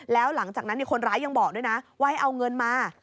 แล้วหลังจากนั้นคนร้ายยังบอกด้วยนะว่าให้เอาเงินมา